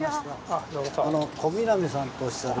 小南さんとおっしゃる。